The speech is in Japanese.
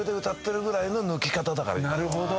なるほど。